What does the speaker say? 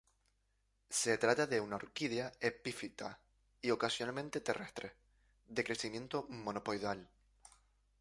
Se trata de una orquídea epífita y ocasionalmente terrestre, de crecimiento monopodial.